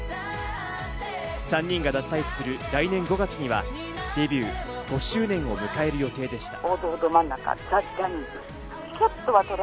３人が脱退する来年５月にはデビュー５周年を迎える予定でした。